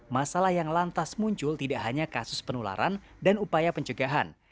masalah yang lantas muncul tidak hanya kasus penularan dan upaya pencegahan